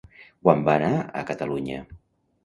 Quan va anar a Catalunya?